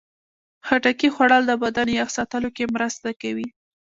د خټکي خوړل د بدن یخ ساتلو کې مرسته کوي.